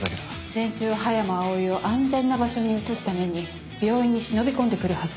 連中は葉山葵を安全な場所に移すために病院に忍び込んで来るはず。